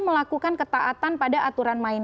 melakukan ketaatan pada aturan main